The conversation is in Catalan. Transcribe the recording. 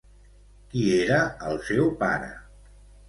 Qui era el seu pare?